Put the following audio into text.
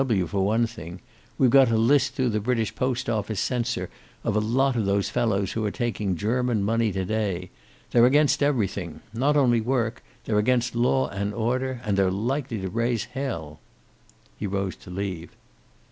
W.W., for one thing. We've got a list through the British post office censor, of a lot of those fellows who are taking German money to day. They're against everything. Not only work. They're against law and order. And they're likely to raise hell." He rose to leave.